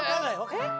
えっ？